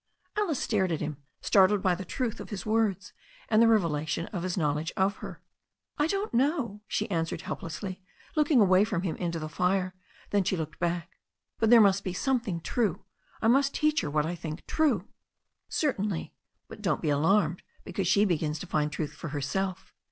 *' Alice stared at him, startled by the truth of his words and the revelation of his knowledge of her. "I don't know," she answered helplessly, looking away from him into the fire. Then she looked back. "But there must be something true. I must teach her what I think true." "Certainly. But don't be alarmed because she begins to find truth for herself."